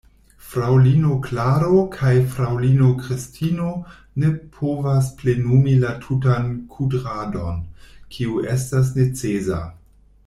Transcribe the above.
Fraŭlino Klaro kaj fraŭlino Kristino ne povas plenumi la tutan kudradon, kiu estas necesa.